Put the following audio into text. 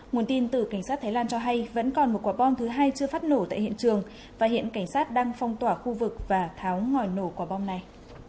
nguồn tin từ cảnh sát thái lan cho hay vẫn còn một quả bom thứ hai chưa phát nổ tại hiện trường và hiện cảnh sát đang phong tỏa khu vực và tháo ngòi nổ quả bom này